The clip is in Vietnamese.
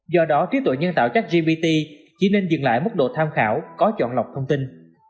do đó trí tuệ nhân tạo chrp chỉ nên dừng lại mức độ tham khảo có chọn lọc thông tin